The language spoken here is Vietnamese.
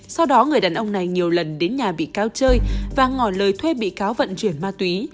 sau đó người đàn ông này nhiều lần đến nhà bị cáo chơi và ngỏi lời thuê bị cáo vận chuyển ma túy